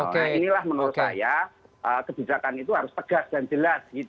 nah inilah menurut saya kebijakan itu harus tegas dan jelas